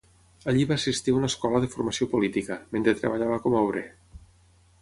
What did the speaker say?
Allí va assistir a una escola de formació política, mentre treballava com a obrer.